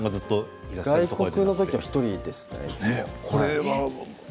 外国の時は１人ですね。